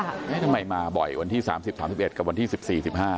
ไม่ให้ทำไมมาบ่อยวันที่สามสิบสามสิบเอ็ดกับวันที่สิบสี่สิบห้า